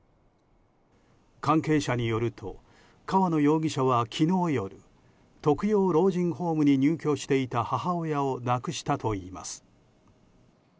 関係者によると川野容疑者は昨日夜特養老人ホームに入居していた母親を亡くしたといいます。